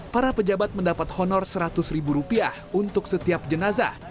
para pejabat mendapat honor rp seratus untuk setiap jenazah